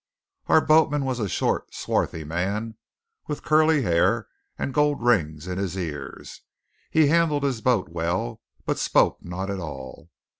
Our boatman was a short, swarthy man, with curly hair and gold rings in his ears. He handled his boat well, but spoke not at all.